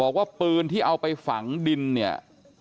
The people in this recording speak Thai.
ว่าปืนที่เอาไปฝังดินเนี่ย